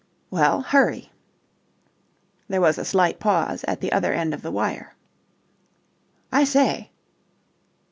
"Well, hurry." There was a slight pause at the other end of the wire. "I say."